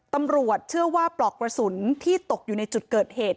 ตำรวจเชื่อว่าปลอกกระสุนที่ตกอยู่ในจุดเกิดเหตุ